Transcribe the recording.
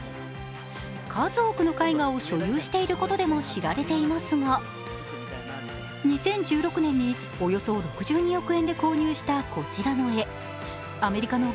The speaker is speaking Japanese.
数多くの絵画を所有していることでも知られていますが２０１６年におよそ６２億円で購入したこちらの絵、アメリカの